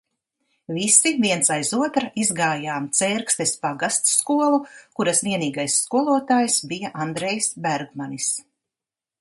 Visi viens aiz otra izgājām Cērkstes pagastskolu, kuras vienīgais skolotājs bija Andrejs Bergmanis.